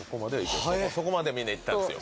そこまではみんないったんですよ。